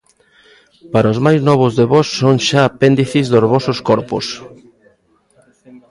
Para os máis novos de vos son xa apéndices dos vosos corpos.